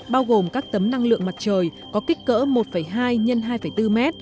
bao gồm các tấm năng lượng mặt trời có kích cỡ một hai x hai bốn m